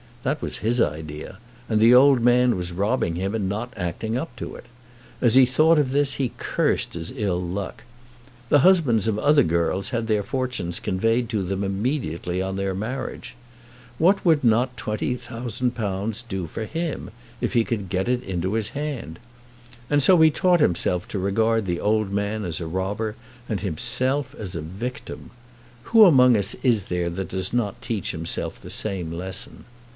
That was his idea; and the old man was robbing him in not acting up to it. As he thought of this he cursed his ill luck. The husbands of other girls had their fortunes conveyed to them immediately on their marriage. What would not £20,000 do for him, if he could get it into his hand? And so he taught himself to regard the old man as a robber and himself as a victim. Who among us is there that does not teach himself the same lesson?